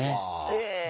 ええ。